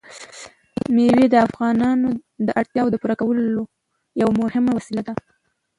مېوې د افغانانو د اړتیاوو د پوره کولو یوه مهمه وسیله ده.